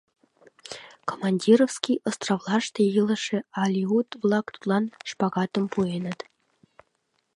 Командорский островлаште илыше алеут-влак тудлан шпагым пуэныт.